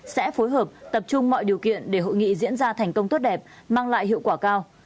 sẽ phối hợp tập trung mọi điều kiện để hội nghị diễn ra thành công tốt đẹp mang lại hiệu quả cao